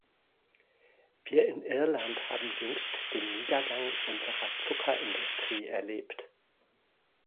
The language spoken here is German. Wir in Irland haben jüngst den Niedergang unserer Zuckerindustrie erlebt.